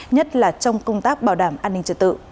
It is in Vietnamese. nhất là trong công tác bảo đảm an ninh trật tự